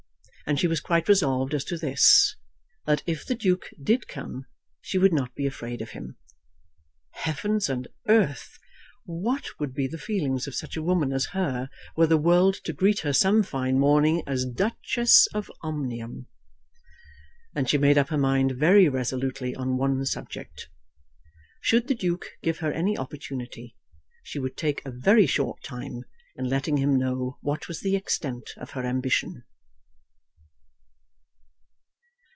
And she was quite resolved as to this, that if the Duke did come she would not be afraid of him. Heavens and earth! What would be the feelings of such a woman as her, were the world to greet her some fine morning as Duchess of Omnium! Then she made up her mind very resolutely on one subject. Should the Duke give her any opportunity she would take a very short time in letting him know what was the extent of her ambition.